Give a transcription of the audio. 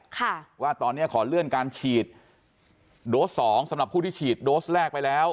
ค่ะว่าตอนเนี้ยขอเลื่อนการฉีดโดสสองสำหรับผู้ที่ฉีดโดสแรกไปแล้ว